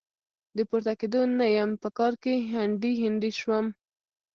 د پورته کېدو نه يم؛ په کار کې هنډي هنډي سوم.